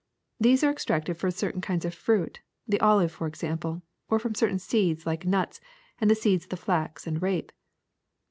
These are extracted from certain kinds of fruit, the olive for example, or from certain seeds like nuts and the seeds of flax and rape.